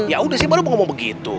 ya udah sih baru ngomong begitu